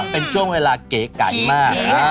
เป็นช่วงเวลาเก๋ไก่มาก